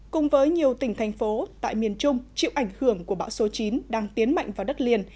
cùng với nhiều tỉnh thành phố tại miền trung chịu ảnh hưởng của bão số chín đang tiến mạnh vào đất liền